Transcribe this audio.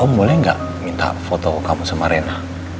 om boleh nggak minta foto kamu sama reina